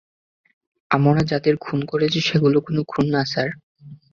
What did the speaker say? আমরা যাদের খুন করেছি সেগুলো কোনো খুন না, স্যার।